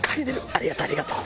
ありがとう！ありがとう！」。